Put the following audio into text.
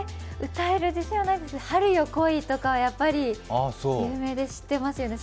歌える自信はないですが、「春よ、来い」とかはやっぱり有名で知ってますよね。